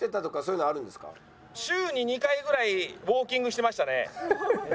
週に２回ぐらいウォーキングしてましたね。